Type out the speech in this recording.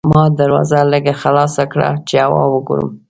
ما دروازه لږه خلاصه کړه چې هوا وګورم.